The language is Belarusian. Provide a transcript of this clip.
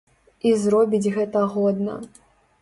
І зробіць гэта годна.